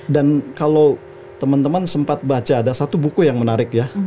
dan kalau teman teman sempat baca ada satu buku yang menarik ya